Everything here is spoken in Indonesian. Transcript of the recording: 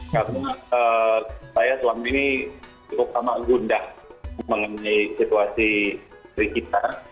karena saya selama ini cukup sama gundah mengenai situasi diri kita